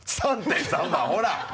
３．３万ほら！